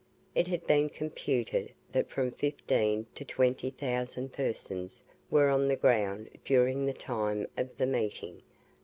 "It has been computed that from fifteen to twenty thousand persons were on the ground during the time of the meeting.